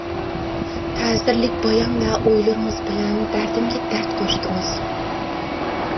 تەسىرلىك بايان ۋە ئويلىرىڭىز بىلەن دەردىمگە دەرد قوشتىڭىز.